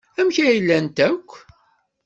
Amek ay llant akk?